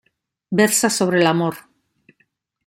Versa sobre el amor.